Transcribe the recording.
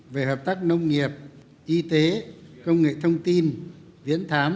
về hợp tác nông nghiệp y tế công nghệ thông tin viễn thám v v